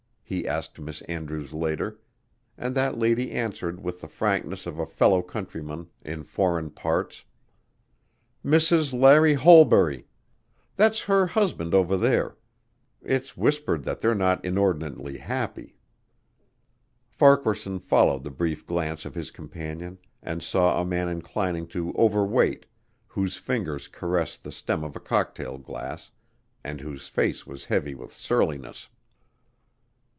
he asked Miss Andrews later, and that lady answered with the frankness of a fellow countryman in foreign parts: "Mrs. Larry Holbury. That's her husband over there it's whispered that they're not inordinately happy." Farquaharson followed the brief glance of his companion and saw a man inclining to overweight whose fingers caressed the stem of a cocktail glass, and whose face was heavy with surliness.